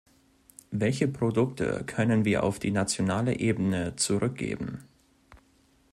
Welche Produkte können wir auf die nationale Ebene zurückgeben?